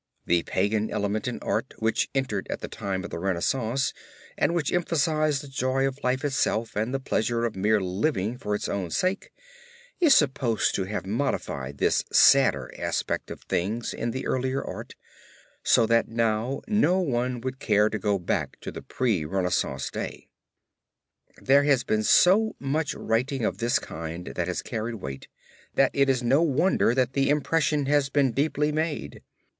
The pagan element in art which entered at the time of the Renaissance and which emphasized the joy of life itself and the pleasure of mere living for its own sake, is supposed to have modified this sadder aspect of things in the earlier art, so that now no one would care to go back to the pre Renaissance day. There has been so much writing of this kind that has carried weight, that it is no wonder that the impression has been deeply made.